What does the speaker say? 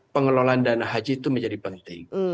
pengelolaan dana haji itu menjadi penting